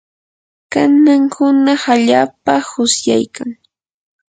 kanan hunaq allaapam usyaykan.